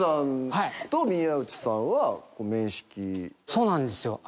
そうなんですよ。